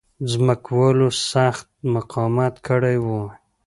ځمکوالو سخت مقاومت کړی وای.